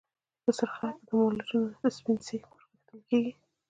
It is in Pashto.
په سرخه د مالوچو نه سپڼسي پرغښتلي كېږي۔